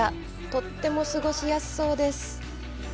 とっても過ごしやすそうです。